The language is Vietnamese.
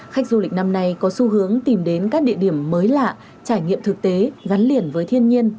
khách du lịch năm nay có xu hướng tìm đến các địa điểm mới lạ trải nghiệm thực tế gắn liền với thiên nhiên